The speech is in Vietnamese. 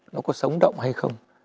nó có sống động hay không